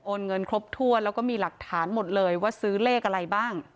เงินครบถ้วนแล้วก็มีหลักฐานหมดเลยว่าซื้อเลขอะไรบ้าง